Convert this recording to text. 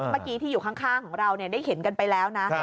เมื่อกี้ที่อยู่ข้างของเราได้เห็นกันไปแล้วนะ